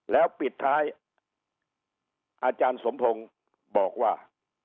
แล้วปิดท้ายอาจารย์สมพงศ์บอกว่า